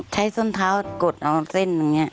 ใช้ส้นเท้ากดเอาเส้นแบบนี้